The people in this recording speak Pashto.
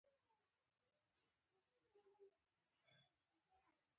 د ژوند ارزښت څنګه وپیژنو؟